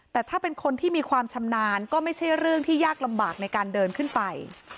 แต่ถ้าเป็นคนที่มีความชำนาญก็ไม่ใช่เรื่องที่ยากลำบากในการเดินขึ้นไป